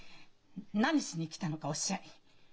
何しに来たのかおっしゃい。